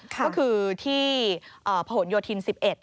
ก็คือที่ผนโยธิน๑๑